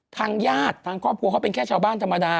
ทางญาติทางครอบครัวเขาเป็นแค่ชาวบ้านธรรมดา